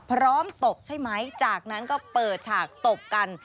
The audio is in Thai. ตบใช่ไหมจากนั้นก็เปิดฉากตบกัน